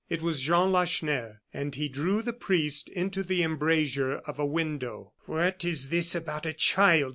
It was Jean Lacheneur, and he drew the priest into the embrasure of a window. "What is this about a child?"